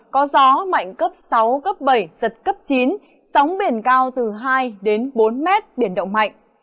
có gió mạnh cấp sáu cấp bảy giật cấp chín sóng biển cao từ hai đến bốn mét biển động mạnh